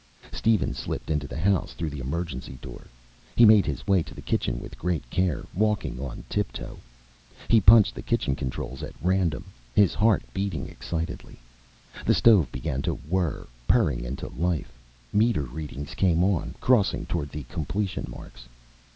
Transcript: Steven slipped into the house through the emergency door. He made his way to the kitchen with great care, walking on tip toe. He punched the kitchen controls at random, his heart beating excitedly. The stove began to whirr, purring into life. Meter readings came on, crossing toward the completion marks.